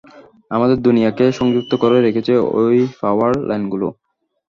আমাদের দুনিয়াকে সংযুক্ত করে রেখেছে এই পাওয়ার লাইনগুলো।